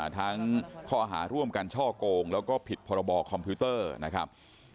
ทั้งเขาอาหาร่วมกันช่อกงแล้วก็ผิดพคนะครับ